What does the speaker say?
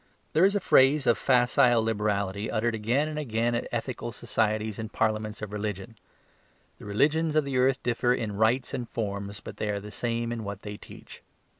There is a phrase of facile liberality uttered again and again at ethical societies and parliaments of religion: "the religions of the earth differ in rites and forms, but they are the same in what they teach."